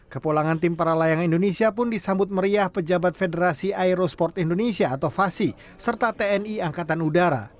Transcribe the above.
ketiga pun disambut meriah pejabat federasi aerosport indonesia atau fasi serta tni angkatan udara